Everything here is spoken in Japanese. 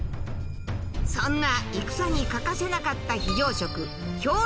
そんな戦に欠かせなかった非常食兵糧丸がこちら！